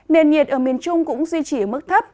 nền nhiệt ở miền trung cũng duy trì ở mức thấp